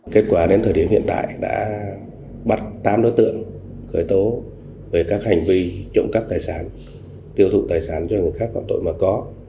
kết quả đến thời điểm hiện tại đã bắt tám đối tượng khởi tố về các hành vi trộm cắp tài sản tiêu thụ tài sản cho người khác phạm tội mà có